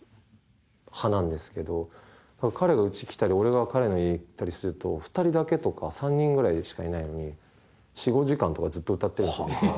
彼がうち来たり俺が彼の家行ったりすると２人だけとか３人ぐらいしかいないのに４５時間とかずっと歌ってるんですよ歌。